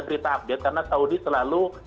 berita update karena saudi selalu